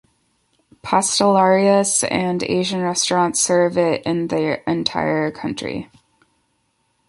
"Pastelarias" and Asian restaurants serve it in the entire country.